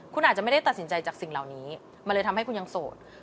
คุณอาจจะไม่ได้ตัดสินใจจากสิ่งเหล่านี้มันเลยทำให้คุณยังโสด